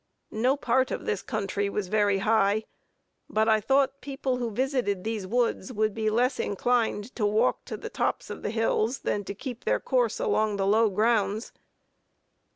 No part of this country was very high, but I thought people who visited these woods, would be less inclined to walk to the tops of the hills, than to keep their course along the low grounds.